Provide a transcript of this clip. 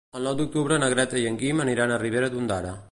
El nou d'octubre na Greta i en Guim aniran a Ribera d'Ondara.